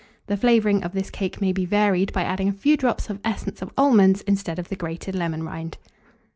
The flavouring of this cake may be varied by adding a few drops of essence of almonds instead of the grated lemon rind.